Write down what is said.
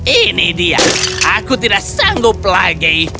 ini dia aku tidak sanggup lagi